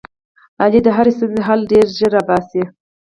علي د هرې ستونزې حل ډېر زر را اوباسي.